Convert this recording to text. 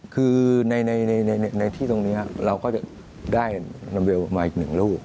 คือในที่ตรงนี้เราก็จะได้ลามเวลมาอีกหนึ่งลูก